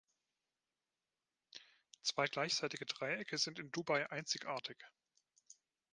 Zwei gleichseitige Dreiecke sind in Dubai einzigartig.